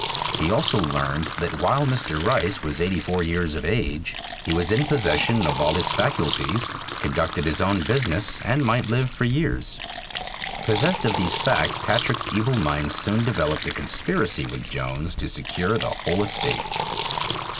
He also learned that while Mr. Rice was 84 years of age he was in possession of all his faculties, conducted his own business, and might live for years. Possessed of these facts Patrick's evil mind soon developed a conspiracy with Jones to secure the whole estate.